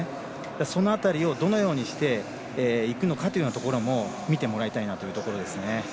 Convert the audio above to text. その辺りをどのようにしていくのかというところも見てもらいたいなと思います。